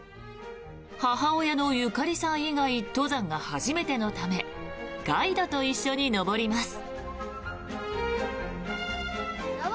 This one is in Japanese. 母親のゆかりさん以外登山が初めてのためガイドと一緒に登ります。